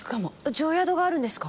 定宿があるんですか？